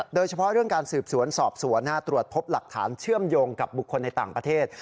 โดยเฉพาะเรื่องการสืบสวนสอบสวนตรวจพบหลักฐานเชื่อมโยงกับบุคคลในต่างประเทศ